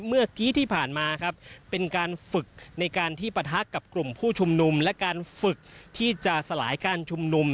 เมื่อกี้ที่ผ่านมาครับเป็นการฝึกในการที่ปะทะกับกลุ่มผู้ชุมนุมและการฝึกที่จะสลายการชุมนุม